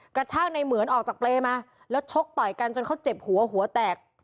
กระชากในเหมือนออกจากเปรย์มาแล้วชกต่อยกันจนเขาเจ็บหัวหัวแตก